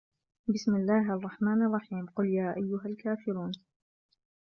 بِسمِ اللَّهِ الرَّحمنِ الرَّحيمِ قُل يا أَيُّهَا الكافِرونَ